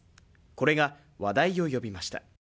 これが話題を呼びました